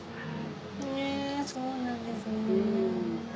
へぇそうなんですね。